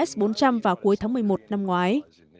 s bốn trăm linh vào cuối tháng một mươi một năm ngoái